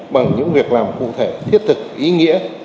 bằng những việc làm cụ thể thiết thực ý nghĩa